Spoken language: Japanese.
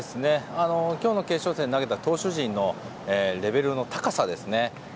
今日の決勝戦を投げた投手陣のレベルの高さですね。